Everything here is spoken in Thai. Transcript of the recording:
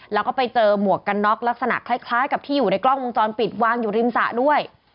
แล้วก็ไปเจอหมวกกันน็อกลักษณะคล้ายกับที่อยู่ในกล้องวงจรปิดวางอยู่ริมสระด้วย